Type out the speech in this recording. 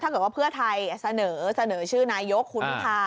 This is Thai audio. ถ้าเกิดว่าเพื่อไทยเสนอชื่อนายกคุณพิธา